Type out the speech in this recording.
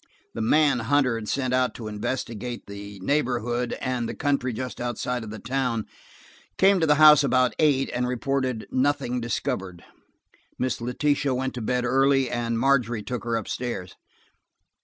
The man Hunter had sent to investigate the neighborhood and the country just outside of the town, came to the house about eight, and reported "nothing discovered." Miss Letitia went to bed early, and Margery took her up stairs.